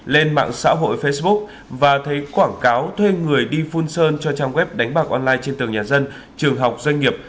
lên mạng xã hội facebook và thấy quảng cáo thuê người đi phun sơn cho trang web đánh bạc online trên tường nhà dân trường học doanh nghiệp